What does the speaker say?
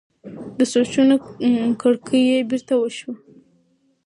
د سوچونو کړکۍ یې بېرته شوه.